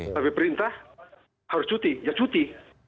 kalau dia berperintah harus cuti ya cuti